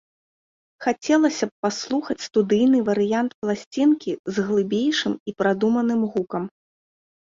Хацелася б паслухаць студыйны варыянт пласцінкі з глыбейшым і прадуманым гукам.